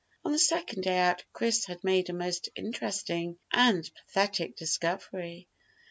On the second day out Chris had made a most interesting and pathetic discovery.